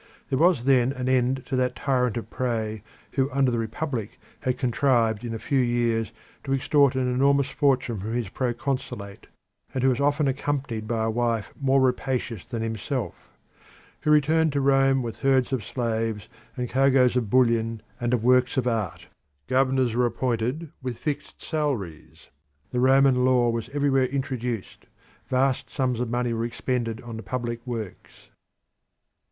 There was then an end to that tyrant of prey who under the republic had contrived in a few years to extort an enormous fortune from his proconsulate, and who was often accompanied by a wife more rapacious than himself; who returned to Rome with herds of slaves and cargoes of bullion and of works of art. Governors were appointed with fixed salaries; the Roman law was everywhere introduced; vast sums of money were expended on the public works.